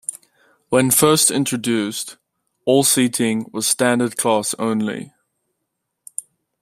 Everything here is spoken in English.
When first introduced, all seating was standard class only.